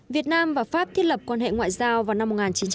việt nam và pháp thiết lập quan hệ ngoại giao vào năm một nghìn chín trăm bảy mươi